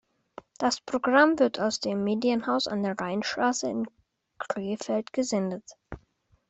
Das Programm wird aus dem Medienhaus an der Rheinstraße in Krefeld gesendet.